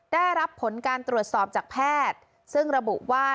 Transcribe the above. ได้รับผลการตรวจสอบจากแพทย์ซึ่งระบุว่า